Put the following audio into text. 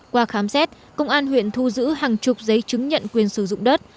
qua khám xét công an huyện thu giữ hàng chục giấy chứng nhận quyền sử dụng đất